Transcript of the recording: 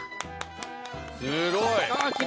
すごい！